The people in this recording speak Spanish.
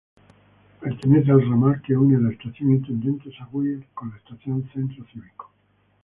Pertenece al ramal que une la estación Intendente Saguier, con la estación Centro Cívico.